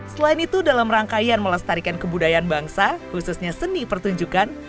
selain itu dalam rangkaian melestarikan kebudayaan bangsa khususnya seni pertunjukan